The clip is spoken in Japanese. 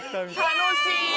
楽しい！